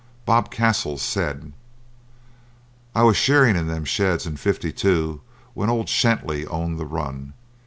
Bob Castles said: "I was shearing in them sheds in '52 when old Shenty owned the run.